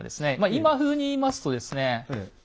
今風に言いますとですね。